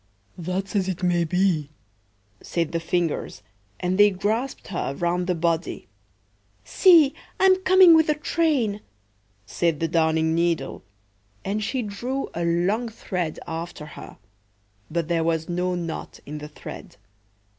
"That's as it may be," said the Fingers; and they grasped her round the body."See, I'm coming with a train!" said the Darning needle, and she drew a long thread after her, but there was no knot in the thread.